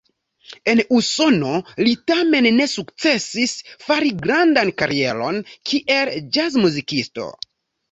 En Usono li tamen ne sukcesis fari grandan karieron kiel ĵazmuzikisto.